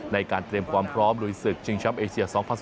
ในการเตรียมความพร้อมลุยศึกชิงแชมป์เอเชีย๒๐๑๙